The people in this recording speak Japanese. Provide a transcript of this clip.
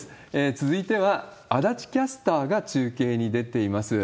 続いては、足立キャスターが中継に出ています。